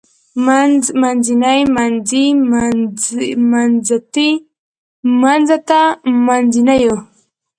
منځ منځنۍ منځني منځتی منځته منځنيو